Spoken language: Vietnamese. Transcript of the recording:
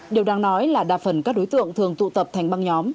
điều đang nói là đa phần các đối tượng thường tụ tập thành băng nhóm